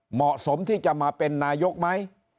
เหมาะสมที่จะมาเป็นนายกไหม